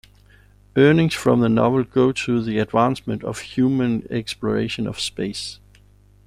Earnings from the novel go to the advancement of human exploration of space.